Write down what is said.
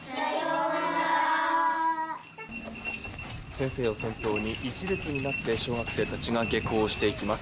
先生を先頭に１列になって小学生たちが下校していきます。